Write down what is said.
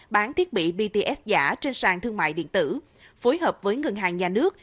bán thiết bị bts giả trên sàn thương mại điện tử phối hợp với ngân hàng nhà nước